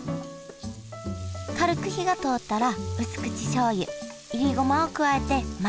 軽く火が通ったら薄口しょうゆいりごまを加えてまた炒めます。